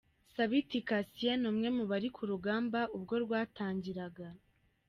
Sabiti Cassien ni umwe mu bari ku rugamba ubwo rwatangiraga.